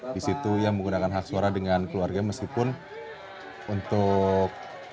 di situ ia menggunakan hak suara dengan keluarga meskipun untuk